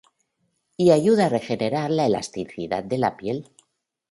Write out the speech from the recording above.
Y ayuda a regenerar la elasticidad de la piel.